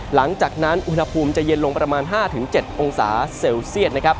หลังจากนั้นอุณหภูมิจะเย็นลงประมาณ๕๗องศาเซลเซียตนะครับ